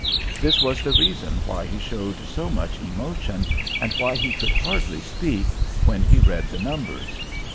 This was the reason why he showed so much emotion, and why he could hardly speak, when he read the numbers.